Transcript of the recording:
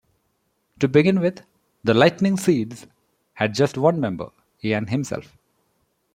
To begin with, The Lightning Seeds had just one member - Ian himself.